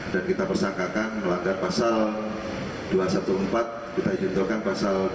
dan kita persangkakan melanggar pasal dua ratus empat belas kita jentuhkan pasal dua ratus dua belas